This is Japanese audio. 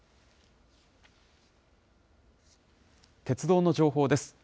鉄道の情報です。